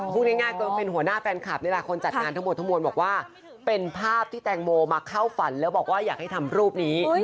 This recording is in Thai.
พูดง่ายก็เป็นหัวหน้าแฟนคลับนี่แหละคนจัดงานทั้งหมดทั้งมวลบอกว่าเป็นภาพที่แตงโมมาเข้าฝันแล้วบอกว่าอยากให้ทำรูปนี้